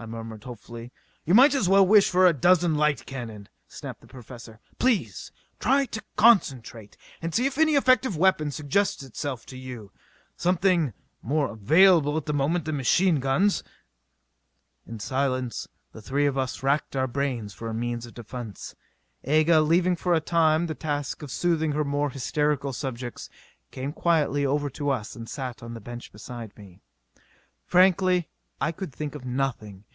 I murmured hopefully. "You might as well wish for a dozen light cannon!" snapped the Professor. "Please try to concentrate, and see if any effective weapon suggests itself to you something more available at the moment than machine guns." In silence the three of us racked our brains for a means of defence. Aga, leaving for a time the task of soothing her more hysterical subjects, came quietly over to us and sat on the bench beside me. Frankly I could think of nothing.